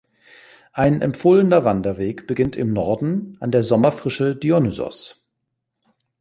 Ein empfohlener Wanderweg beginnt im Norden an der Sommerfrische Dionysos.